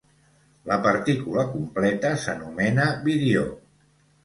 La partícula completa s’anomena virió.